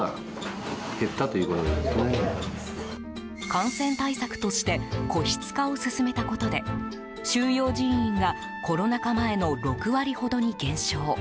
感染対策として個室化を進めたことで収容人員がコロナ禍前の６割ほどに減少。